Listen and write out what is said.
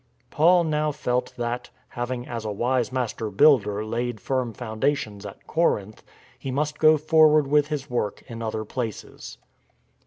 Paul now felt that, having " as a wise master builder " laid firm foundations at Corinth, he must go forward with his work in other places.